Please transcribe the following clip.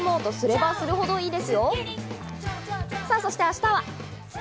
そして明日は。